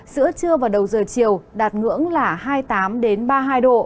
giữa trưa và đầu giờ chiều đạt ngưỡng là hai mươi tám ba mươi hai độ